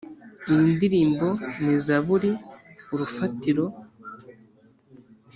Iyi ndirimbo ni zaburi urufatiro